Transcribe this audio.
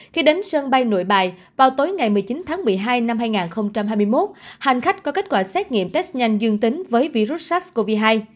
khi đến sân bay nội bài vào tối ngày một mươi chín tháng một mươi hai năm hai nghìn hai mươi một hành khách có kết quả xét nghiệm test nhanh dương tính với virus sars cov hai